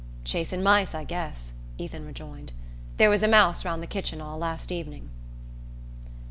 "Chasin' mice, I guess," Ethan rejoined. "There was a mouse round the kitchen all last evening."